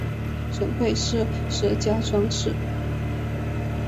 省会是石家庄市。